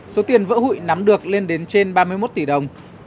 số tiền vỡ hụi nắm được lên đến trên ba mươi một tỷ đồng